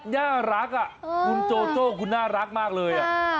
น่ารักอ่ะคุณโจโจคุณน่ารักมากเลยอ่ะ